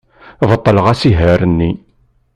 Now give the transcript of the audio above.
Beṭleɣ asihaṛ-nni.